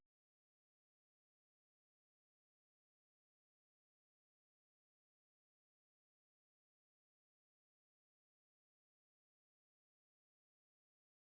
food bank indonesia memperkirakan